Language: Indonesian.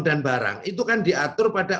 dan barang itu kan diatur pada